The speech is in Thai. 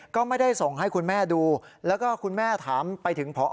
ก็ไม่ได้ส่งให้คุณแม่ดูแล้วก็คุณแม่ถามไปถึงพอ